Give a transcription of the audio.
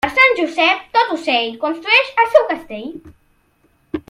Per Sant Josep, tot ocell construeix el seu castell.